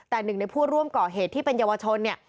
แต่หนึ่งในผู้ร่วมก่อเหตุที่เป็นเยาวชนเนี่ย